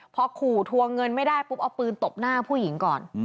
พอขู่ทวงเงินไม่ได้ปุ๊บเอาปืนตบหน้าผู้หญิงก่อน